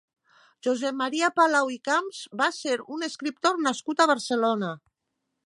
Josep Maria Palau i Camps va ser un escriptor nascut a Barcelona.